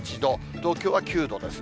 東京は９度ですね。